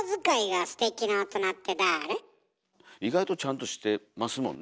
意外とちゃんとしてますもんね。